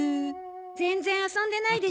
全然遊んでないでしょう？